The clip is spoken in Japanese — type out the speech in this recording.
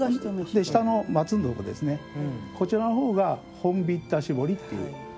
下の松のところですねこちらのほうが本疋田絞りっていう。